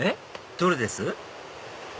どれです？